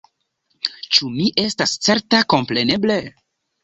Ĉu mi estas certa? Kompreneble.